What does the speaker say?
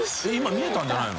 見えたんじゃないの？